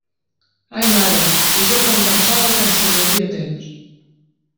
Ai mare, i jo que em pensava que ens sobraria temps.